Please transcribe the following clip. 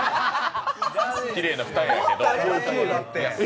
きれいな二重やけど。